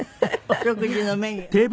お食事のメニュー。